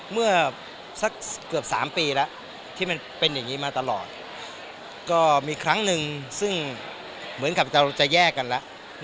เมื่อสักเกือบ๓ปีแล้วที่มันเป็นอย่างนี้มาตลอดก็มีครั้งหนึ่งซึ่งเหมือนกับเราจะแยกกันแล้ว